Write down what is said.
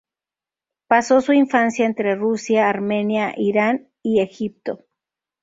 Pasó su infancia entre Rusia, Armenia, Irán y Egipto.